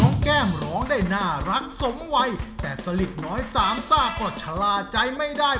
แก้มร้องได้น่ารักสมวัยแต่สลิดน้อยสามซ่าก็ชะล่าใจไม่ได้